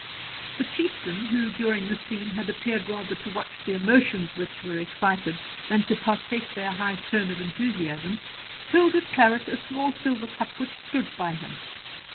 The Chieftain, who, during this scene had appeared rather to watch the emotions which were excited than to partake their high tone of enthusiasm, filled with claret a small silver cup which stood by him.